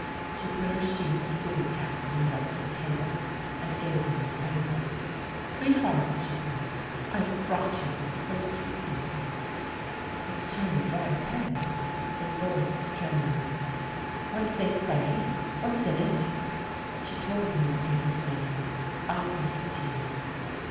She put her sheet of foolscap on the rustic table, and gave him the paper. "Sweetheart," she said, "I've brought you your first review I" 156 THE MAN WHO UNDERSTOOD WOMEN He turned very pale ; his voice was tremulous : ''What do they say? What's it in?" She told him the paper's name. "I'll read it to you."